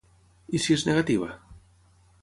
I si és negativa?